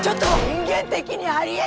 人間的にありえない。